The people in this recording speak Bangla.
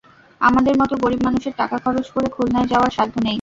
আমাদের মতো গরিব মানুষের টাকা খরচ করে খুলনায় যাওয়ার সাধ্য নেই।